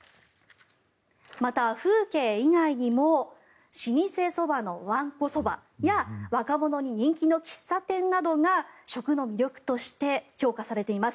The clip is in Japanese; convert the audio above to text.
また、風景以外にも老舗そばのわんこそばや若者に人気の喫茶店などが食の魅力として評価されています。